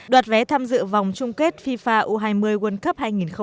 đoạt vé tham dự vòng chung kết fifa u hai mươi world cup hai nghìn một mươi bảy